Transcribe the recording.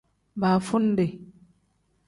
Baavundi.